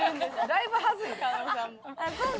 だいぶはずいで。